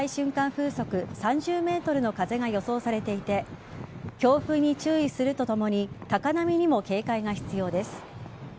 風速３０メートルの風が予想されていて強風に注意するとともに高波にも警戒が必要です。